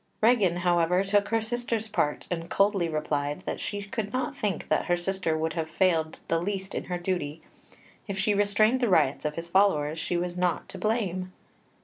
Regan, however, took her sister's part, and coldly replied that she could not think that her sister would have failed the least in her duty; if she restrained the riots of his followers, she was not to blame.